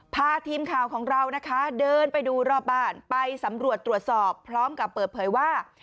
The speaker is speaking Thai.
พาทีมข่าวของเรานะคะเดินไปดูรอบบ้านไปสำรวจตรวจสอบพร้อมกับเปิดเผยว่า